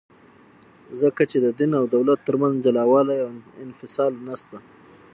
ځکه چي د دین او دولت ترمنځ جلاوالي او انفصال نسته.